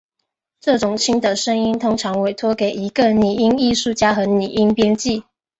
这种轻的声音通常委托给一个拟音艺术家和拟音编辑。